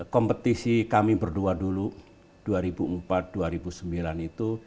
kompetisi kami berdua dulu dua ribu empat dua ribu sembilan itu